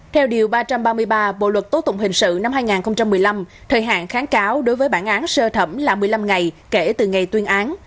theo điều ba trăm ba mươi ba bộ luật tố tụng hình sự năm hai nghìn một mươi năm thời hạn kháng cáo đối với bản án sơ thẩm là một mươi năm ngày kể từ ngày tuyên án